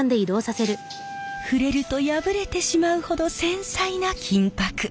触れると破れてしまうほど繊細な金箔。